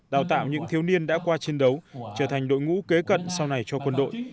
đào tạo những thiếu niên đã qua chiến đấu trở thành đội ngũ kế cận sau này cho quân đội